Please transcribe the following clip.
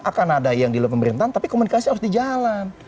akan ada yang di luar pemerintahan tapi komunikasi harus di jalan